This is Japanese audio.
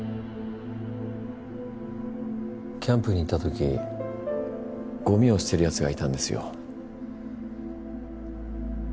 キャンプに行ったときごみを捨てるやつがいたんですよ。